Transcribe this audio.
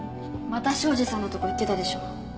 また庄司さんのとこ行ってたでしょ。